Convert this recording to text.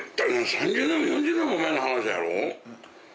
３０年も４０年も前の話やろ？